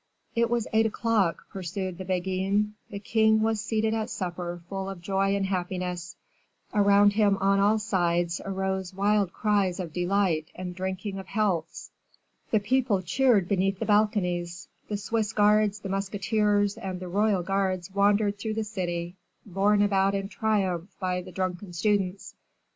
"It was eight o'clock," pursued the Beguine; "the king was seated at supper, full of joy and happiness; around him on all sides arose wild cries of delight and drinking of healths; the people cheered beneath the balconies; the Swiss guards, the musketeers, and the royal guards wandered through the city, borne about in triumph by the drunken students.